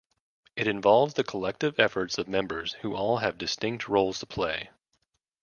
It involves the collective efforts of members who all have distinct roles to play.